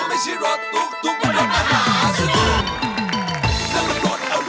มันไม่ใช่รถตุ๊กตุ๊กมันรถประหาสนุก